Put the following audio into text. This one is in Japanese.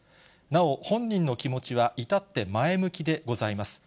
なお本人の気持ちは至って前向きでございます。